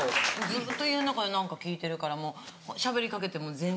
ずっと家の中で何か聴いてるからしゃべりかけても全然。